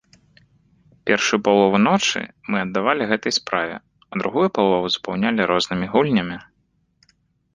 Першую палову ночы мы аддавалі гэтай справе, а другую палову запаўнялі рознымі гульнямі.